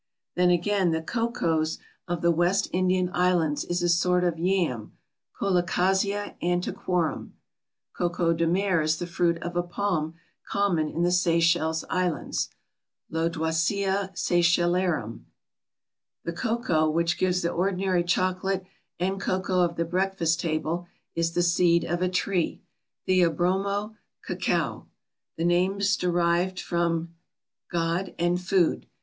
Then again the Cocoes of the West Indian Islands is a sort of Yam (Colocasia antiquorum). Coco de mer is the fruit of a palm common in the Seychelles Islands (Lodoicea Seychellarum). The cocoa which gives the ordinary chocolate and cocoa of the breakfast table is the seed of a tree (Theobroma cacao). The name is derived from [Greek: theos], god, and [Greek: brôma], food.